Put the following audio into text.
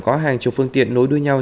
có hàng chục phương tiện nối đuôi nhau